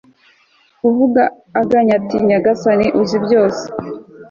avuga aganya ati nyagasani, uzi byose